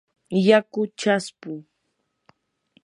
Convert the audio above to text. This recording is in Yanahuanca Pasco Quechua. yaku chaspu.